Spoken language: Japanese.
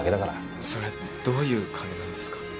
それどういう金なんですか？